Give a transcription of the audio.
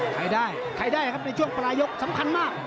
ใครได้ใครได้ครับในช่วงปลายยกสำคัญมาก